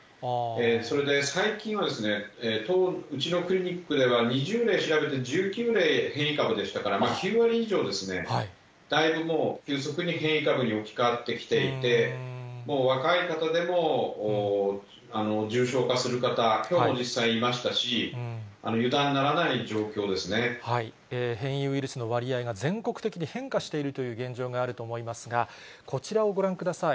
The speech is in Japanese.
それで最近は、うちのクリニックでは、２０名調べて１９名、変異株でしたから、９割以上、だいぶもう、急速に変異株に置き換わってきていて、もう若い方でも重症化する方というのも実際いましたし、油断なら変異ウイルスの割合が全国的に変化しているという現状があると思いますが、こちらをご覧ください。